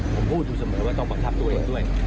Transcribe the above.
ผมพูดอยู่เสมอว่าต้องบังคับตัวเองด้วย